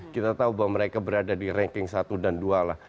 kita tahu bahwa mereka berada di ranking satu dan dua lah